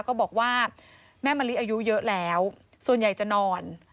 ก็บอกว่าแม่มะลิอายุเยอะแล้วส่วนใหญ่จะนอน